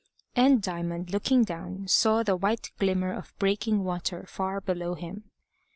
And Diamond, looking down, saw the white glimmer of breaking water far below him.